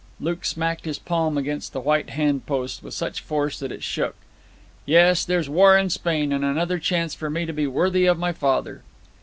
Luke smacked his palm against the white hand post with such force that it shook. 'Yes, there's war in Spain; and another chance for me to be worthy of father.'